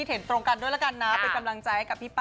หนูดี